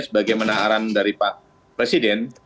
sebagai menaaran dari pak presiden